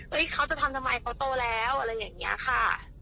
เขาจะทำทำไมเขาโตแล้วอะไรอย่างนี้ค่ะ